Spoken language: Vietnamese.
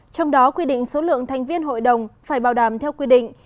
trong đó quy định số lượng thành viên hội đồng phải bảo đảm theo quy định